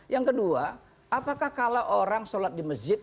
yang kedua apakah kalau orang sholat di masjid